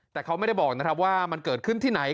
แต่เขาไม่ได้บอกนะครับว่ามันเกิดขึ้นที่ไหน